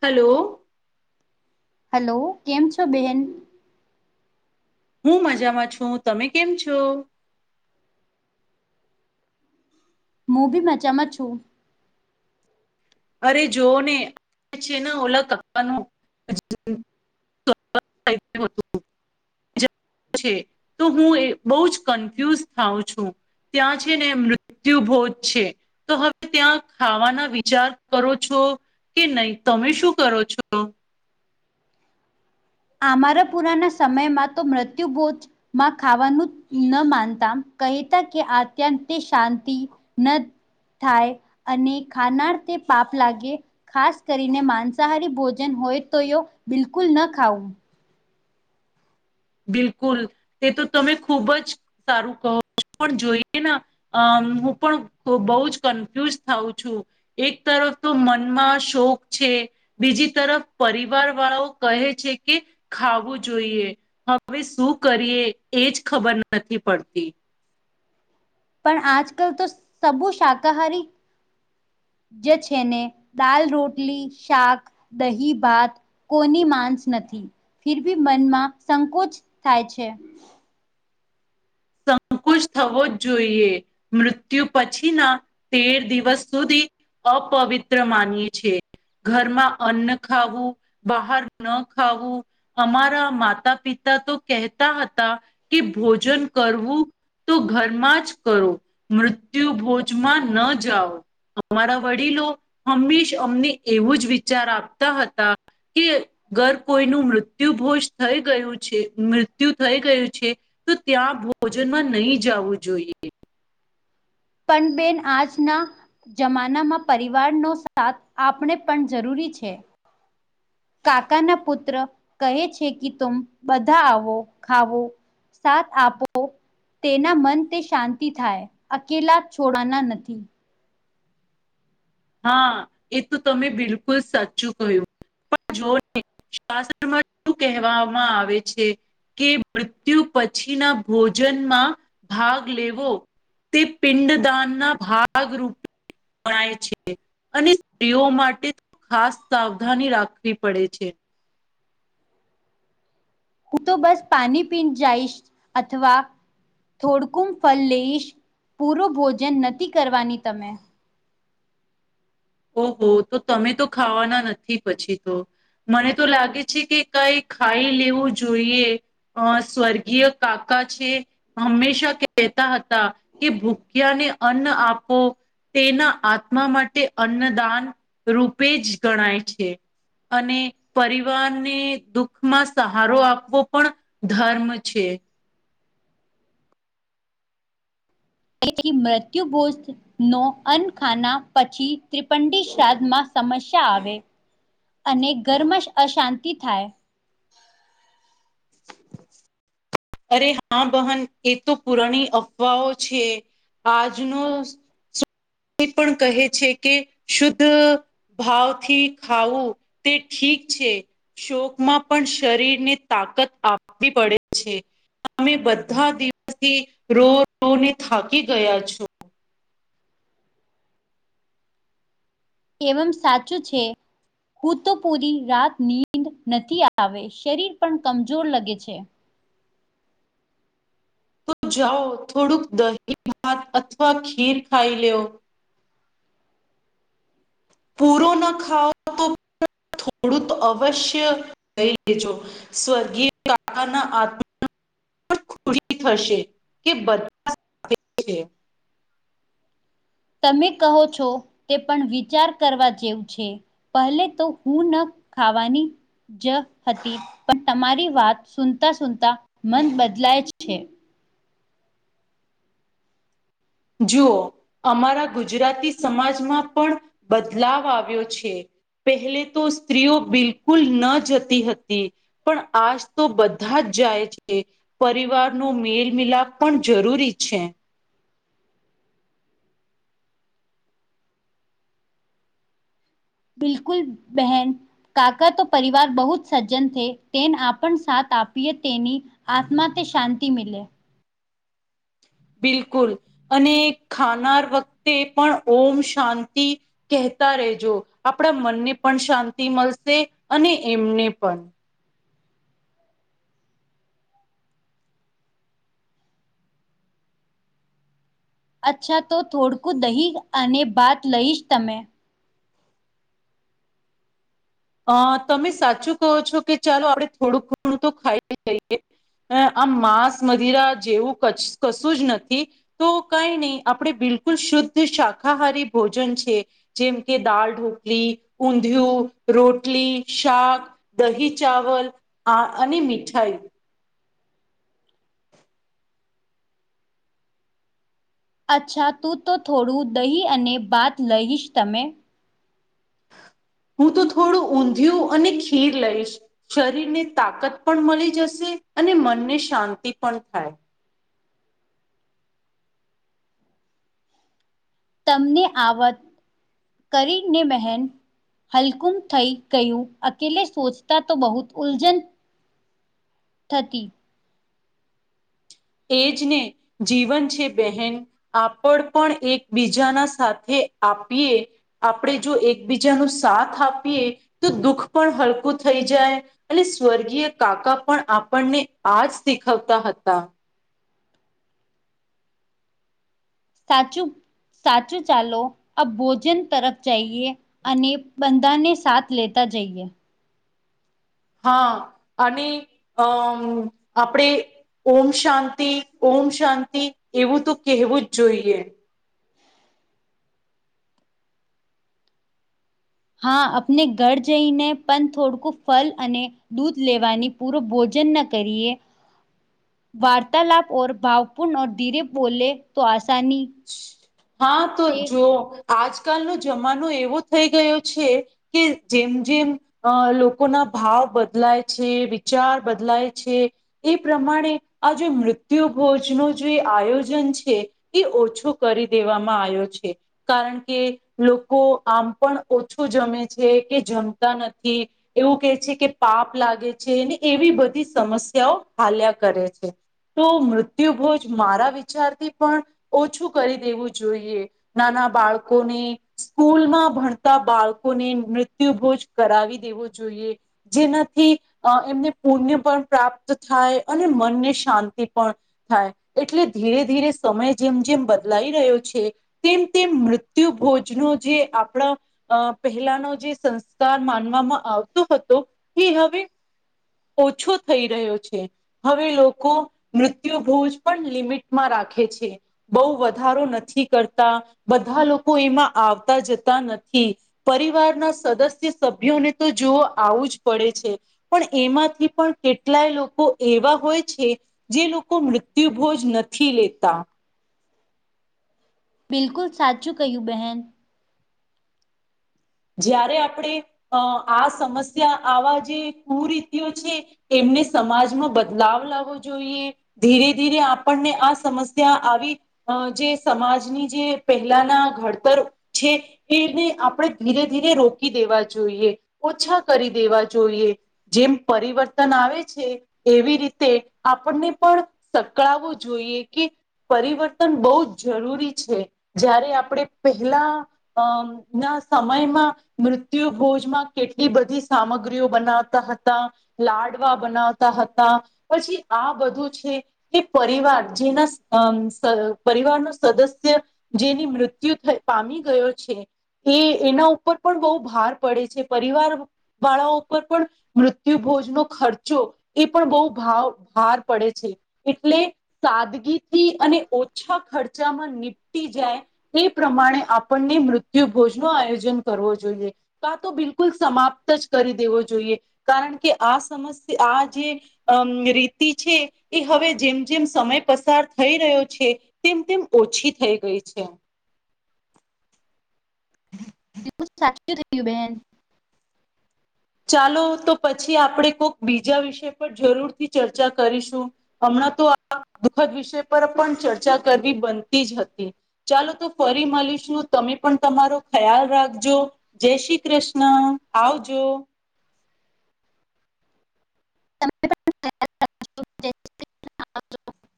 Hello. Hello, કેમ છો બેહેન હું મજામાં છું તમે કેમ છો? હું બી મજામાં છું અરે જોઓ ને છે ને ઓલા [inaudible] [inaudible] [inaudible] તો હું એ બહુ જ કન્ફ્યુઝ થાઉં છું. ત્યાં છે ને મૃત્યુભોજ છે તો હવે ત્યાં ખાવાના વિચાર કરો છો કે નહીં તમે શું કરો છો? અમારા પુરાના સમયમાં તો મૃત્યુભોજ માં ખાવાનું ન માનતા કહેતા કે અત્યંત તે શાંતિ ન થાય અને ખાનાર તે પાપ લાગે. ખાસ કરીને માંસાહારી ભોજન હોય તો એ બિલકુલ ન ખાવું બિલકુલ તે તો તમે ખુબ જ સારું કહો છો પણ જોઈએ ના અ હું પણ બહુ જ કન્ફ્યુઝ થઉં છું. એક તરફ તો મનમાં શોખ છે બીજી તરફ પરિવાર વાળાઓ કહે છે કે ખાવું જોઈએ. હવે શું કરીએ એજ ખબર નથી પડતી પણ આજ કલ તો સબુ શાકાહારી જે છે ને દાલ રોટલી શાક દહી ભાત કોની માંસ નથી. ફિર ભી મનમાં સંકોચ થાય છે, સંકુચ થવો જ જોઈએ મૃત્યુ પછી ના તેર દિવસ સુધી અપવિત્ર માનીએ છી ઘરમાં અન્ન ખાવું બહાર ન ખાવું. અમારા માતા પિતા તો કહેતા હતા કે ભોજન કરવું. તો ઘરમાં જ કરો મૃત્યુ ભોજમાં ન જાઓ અમારા વડીલો હંમેશ અમને એવું જ વિચાર આપતા હતા. કે ઘર કોઈનું મૃત્યુભોજ થઈ ગયું છે, મૃત્યુ થઈ ગયું છે તો ત્યાં ભોજનમાં નહી જવું જોઈએ પણ બેન આજ ના જમાનામાં પરિવારનો સાથ આપણે પણ જરૂરી છે કાકા ના પુત્ર કહે છે કે તુમ બધા આવો ખાવો સાથ આપો તેના મન તે શાંતિ થાય અકેલા છોડાના નથી હા એ તો તમે બિલકુલ સાચું કહ્યું પણ જો શસ્ત્રમાં શું કહેવામાં આવે છે. કે મૃત્યુ પછી ના ભોજનમાં ભાગ લેવો, તે પિંડદાન ના ભાગરૂપે ગણાય છે. અને સ્ત્રીઓ માટે ખાસ સાવધાની રાખવી પડે છે. હું તો બસ પાણી પીન જાઈશ અથવા, [unintelligible] ફલ લઈશ પૂરો ભોજન નથી કરવાની તમે, ઓહો તો તમે તો ખાવાના નથી પછી તો, મને તો લાગે છે કે કાઈ ખાઈ લેવું જોઈએ. અ સ્વર્ગીય કાકા છે. હંમેશા કહેતા હતા કે ભૂખ્યાને અન્ન આપો. તેના આત્મા માટે અન્નદાન રૂપે જ ગણાય છે. અને પરિવારને દુખમાં સહારો આપવો પણ ધર્મ છે. એ થી મૃત્યુ ભોજ નો અન્નખાના પછી ત્રિપંડી શ્રાદ્ધમાં સમસ્યા આવે અને ઘરમાં સ અશાંતિ થાય [inaudible] અરે હા બહન એ તો પુરાણી અફવાઓ છે. આજનો સ તે પણ કહે છે કે શુદ્ધ ભાવથી ખાવું તે ઠીક છે. શોકમાં પણ શરીરને તાકત આપવી પડે છે. અમે બધા દિવસથી રો રો ને થાકી ગયા છો. એવમ સાચું છે. હૂ તો પૂરી રાત નીંદ નથી આવે શરીર પણ કમજોર લગે છે. તો જાઓ થોડુંક દહી ભાત અથવા ખીર ખાઈ લેવ. પૂરો ના ખાઓ તો થોડું તો અવશ્ય લઈ લેજો સ્વર્ગિય કા કા ના આત્મા પણ ખોડી થશે કે બધા [inaudible] તમે કહો છો તે પણ વિચાર કરવા જેવું છે. પહેલે તો હું ન ખાવાની જ હતી પણ તમારી વાત સુનતા સુનતા મન બદલાય છે. જુઓ અમારા ગુજરાતી સમાજમાં પણ બદલાવ આવ્યો છે. પહેલે તો સ્ત્રીઓ બિલકુલ ન જતી હતી. પણ આજ તો બધા જ જાય છે. પરિવાર નો મેલ મિલાપ પણ જરૂરી છે. બિલકુલ બહેન કાકા તો પરિવાર બહુ જ સજ્જન છે તેને આપણ સાથ આપીએ તેની આત્મા તે શાંતિ મિલે. બિલકુલ અને ખાનાર વખતે પણ ઓમ શાંતિ કહેતા રહેેજો આપડા મનને પણ શાંતિ મળશે અને એમને પણ. અચ્છા તો થોડકું દહીં અને ભાત લઈશ તમે અહ તમે સાચું કહો છો કે ચાલો આપડે થોડું ઘણું તો ખાઈ લઈએ. અહ આમ માંસ મધિરા જેવું કશ-કશું જ નથી. તો કઈ નહી આપડે બિલકુલ શુદ્ધ શાકાહારી ભોજન છે. જેમ કે દાળ ઢોકલી, ઊંધિયું રોટલી, શાક, દહી ચાવલ આ અને મીઠાઈ અચ્છા તું તો થોડું દહી અને ભાત લહીશ તમે હું તો થોડું ઊંધિયું અને ખીર લઈશ. શરીરને તાકત પણ મલી જશે અને મનને શાંતિ પણ થાય. તમને આ વત કરીને બહેન હલકુમ થઈ ગયું અકેલે સોચતા તો બહુત ઉલજન થતી. એજ ને જીવન છે બહેન. આપડ પણ એકબીજાના સાથે આપીએ આપડે જો એકબીજા નો સાથ આપીએ તો દુઃખ પણ હલકું થઈ જાય અને સ્વર્ગીય કાકા પણ આપણને આજ શીખવતા હતા સાચું સાચું ચાલો અબ ભોજન તરફ જઈએ અને બંધાને સાથ લેતા જઈએ હા અને અમ આપડે ઓમ શાંતિ ઓમ શાંતિ એવું તો કહેવું જ જોઈએ હા આપને ઘર જઈને પણ થોડકું ફલ અને દૂધ લેવાની પૂરો ભોજન ન કરીએ વાર્તાલાપ ઓર ભાવપૂર્ણ ધીરે બોલે તો આસાની હા તો જો આજકાલનો જમાનો એવો થઈ ગયો છે કે જેમ જેમ અ લોકો ના ભાવ બદલાય છે વિચાર બદલાય છે એ પ્રમાણે આ જે મૃત્યુ ભોજ નો જે આયોજન છે એ ઓછો કરી દેવામાં આયો છે કારણ કે લોકો આમ પણ ઓછું જમે છે કે જમતા નથી એવું કેહે છે કે પાપ લાગે છે ને એવી બધી સમસ્યાઓ હાલ્યા કરે છે તો મૃત્યુભોજ મારા વિચારથી પણ ઓછું કરી દેવું જોઈએ નાના બાળકોને સ્કૂલમાં ભણતા બાળકોને મૃત્યુભોજ કરાવી દેવો જોઈએ જેનાથી અ એમને પુણ્ય પણ પ્રાપ્ત થાય અને મનને શાંતિ પણ થાય એટલે ધીરે ધીરે સમય જેમ જેમ બદ લાઈ રહ્યો છે તેમ તેમ મૃત્યુ ભોજ નો જે આપડા અ પહેલાનો જે સંસ્કાર માનવામાં આવતો હતો એ હવે ઓછો થઈ રહ્યો છે હવે લોકો મૃત્યુભોજ પણ લિમિટમાં રાખે છે બઉ વ ધારો નથી કરતા બધા લોકો એમાં આવતા જતા નથી પરિવારના સદસ્ય સભ્યોને તો જોવો આવું જ પડે છે પણ એમાંથી પણ કેટલાય લોકો એવા હોય છે જે લોકો મૃત્યુભોજ નથી લેતા બિલકુલ સાચું કયું બહેન જ્યારે આપણે અ આ સમસ્યા આવા જે કુરીતિઓ છે એમને સમાજમાં બદલાવ લાવો જોઈએ ધીરે ધીરે આપણને આ સમસ્યા આવી અ જે સમાજની જે પહેલાના ઘડતર છે એને આપણે ધીરે ધીરે રોકી દેવા જોઈએ ઓછા કરી દેવા જોઈએ જેમ પરિવર્તન આવે છે એવી રીતે આપણને પણ સંકળાવું જોઈએ કે પરિવર્તન બઉ જ જરૂરી છે જ્યારે આપડે પહેલા અમ ના સમયમાં મૃત્યુ ભોજમાં કેટલી બધી સામગ્રીઓ બનાવતા હતા લાડવા બનાવતા હતા પછી આ બધું છે એ પરિવાર જેના અમ સ પરિવાર નું સદસ્ય જેની મૃત્યુ થઇ પામી ગયો છે એ એના ઉપર પણ બહુ ભાર પડે છે પરિવાર વાળાઓ ઉપર પણ મૃત્યુ ભોજ નો ખર્ચો એ પણ બઉ ભાવ ભાર પડે છે. એટલે સાદગીથી અને ઓછા ખર્ચામાં નીપટી જાય એ પ્રમાણે આપણને મૃત્યુ ભોજ નો આયોજન કરવો જોઈએ કા તો બિલકુલ સમાપ્ત જ કરી દેવો જોઈએ કારણ કે આ સમસ્યા આ જે અમ રીતિ છે એ હવે જેમ જેમ સમય પસાર થઈ રહ્યો છે તેમ તેમ ઓછી થઈ ગઈ છે. તેમજ સાચૂ થયું બેન ચાલો તો પછી આપડે કોક બીજા વિષય પર જરૂરથી ચર્ચા કરીશું હમણાં તો આ દુઃખદ વિષય પર પણ ચર્ચા કરવી બનતી જ હતી ચાલો તો ફરી મલીશું તમે પણ તમારો ખ્યાલ રાખજો જે શ્રી કૃષ્ણ આવજો [unintelligible]